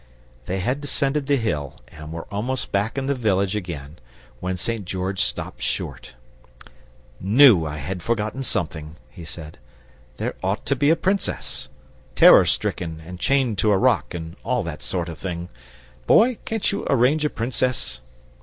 They had descended the hill and were almost back in the village again, when St. George stopped short, "KNEW I had forgotten something," he said. "There ought to be a Princess. Terror stricken and chained to a rock, and all that sort of thing. Boy, can't you arrange a Princess?"